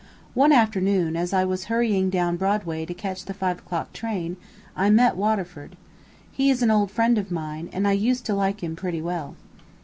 One afternoon, as I was hurrying down Broadway to catch the five o'clock train, I met Waterford. He is an old friend of mine, and I used to like him pretty well.